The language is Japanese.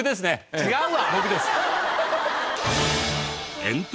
違うわ！